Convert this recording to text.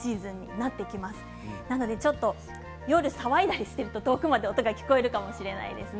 なのでちょっと夜騒いだりしていると遠くまで音が聞こえるかもしれないですね。